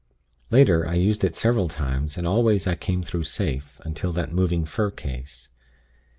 Later, I used it several times, and always I came through safe, until that Moving Fur case.